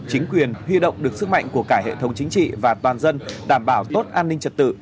chính quyền huy động được sức mạnh của cả hệ thống chính trị và toàn dân đảm bảo tốt an ninh trật tự